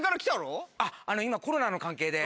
今コロナの関係で。